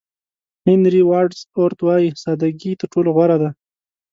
هېنري واډز اورت وایي ساده ګي تر ټولو غوره ده.